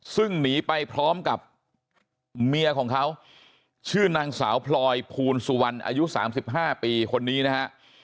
ซึ่งหนีไปพร้อมกับเมียของเขาชื่อนางสาวพลอยภูลสุวรรณอายุ๓๕ปีคนนี้นะฮะ